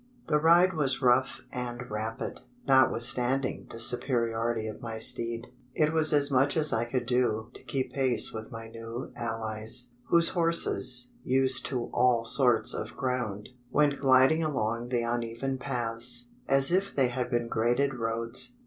The ride was rough and rapid. Notwithstanding the superiority of my steed, it was as much as I could do to keep pace with my new allies whose horses, used to all sorts of ground, went gliding along the uneven paths, as if they had been graded roads.